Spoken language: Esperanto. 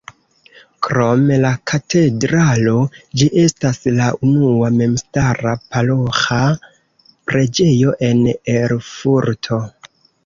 Krom la katedralo ĝi estas la unua memstara paroĥa preĝejo en Erfurto.